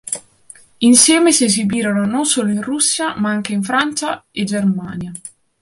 Insieme si esibirono non solo in Russia ma anche in Francia e Germania.